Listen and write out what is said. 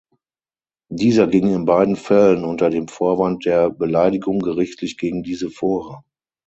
Dieser ging in beiden Fällen unter dem Vorwand der Beleidigung gerichtlich gegen diese vor.